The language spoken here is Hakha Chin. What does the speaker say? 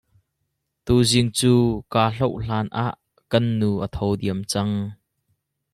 Tuzing cu kaa hlauh hlan ah kan nu a tho diam cang.